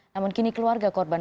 namun kini keluarga korban